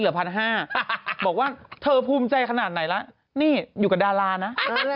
อยู่กับดารานะ